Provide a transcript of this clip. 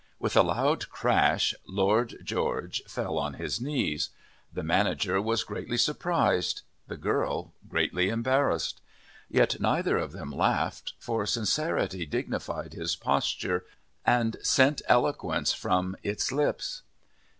With a loud crash, Lord George fell on his knees. The manager was greatly surprised, the girl greatly embarrassed. Yet neither of them laughed, for sincerity dignified his posture and sent eloquence from its lips.